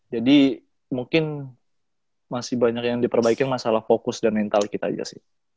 jadi mungkin masih banyak yang diperbaikin masalah fokus dan mental kita aja sih